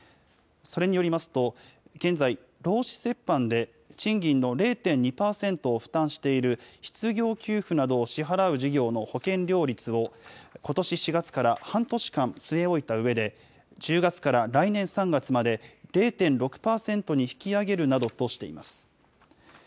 それによりますと、現在、労使折半で賃金の０．２％を負担している失業給付などを支払う事業の保険料率を、ことし４月から半年間据え置いたうえで、１０月から来年３月まで、０．６％に引き上げるなどとしています。